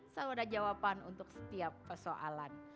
selalu ada jawaban untuk setiap persoalan